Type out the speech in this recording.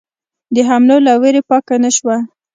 د حملو له وېرې پاکه نه شوه.